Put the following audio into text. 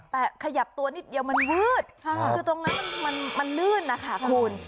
แต่ขยับตัวนิดเดียวมันวืดคือตรงนั้นมันลื่นนะคะคุณ